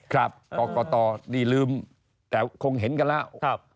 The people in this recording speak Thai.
ครับกรกตนี่ลืมแต่คงเห็นกันล่ะครับ